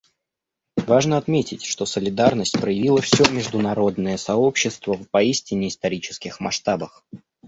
Важно отметить, что солидарность проявило все международное сообщество в поистине исторических масштабах.